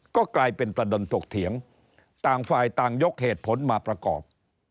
ก็กลายเป็นประเด็นถกเถียงต่างฝ่ายต่างยกเหตุผลมาประกอบ